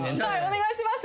お願いします